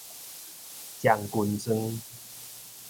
將軍莊